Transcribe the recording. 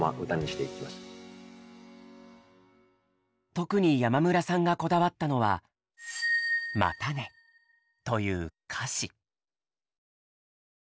特に山村さんがこだわったのは“またね”という歌詞。